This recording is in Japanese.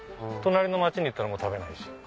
隣の町に行ったらもう食べないし。